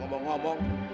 kamu mau kemana lu